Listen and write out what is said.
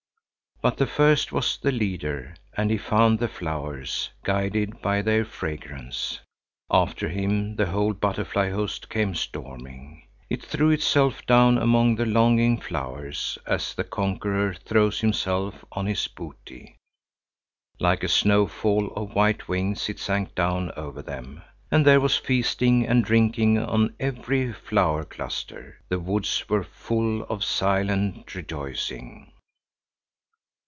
But the first was the leader, and he found the flowers, guided by their fragrance. After him the whole butterfly host came storming. It threw itself down among the longing flowers, as the conqueror throws himself on his booty. Like a snowfall of white wings it sank down over them. And there was feasting and drinking on every flower cluster. The woods were full of silent rejoicing.